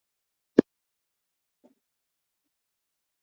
karibu na mji wa Boston Wanajeshi Waingereza walikutana